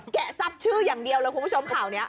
แกะทรัพย์ชื่ออย่างเดียวเลยคุณผู้ชมข่าวนี้